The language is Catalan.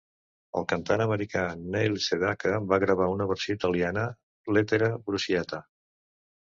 El cantant americà Neil Sedaka va gravar una versió italiana, "Lettera bruciata".